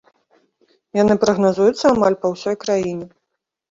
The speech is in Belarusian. Яны прагназуюцца амаль па ўсёй краіне.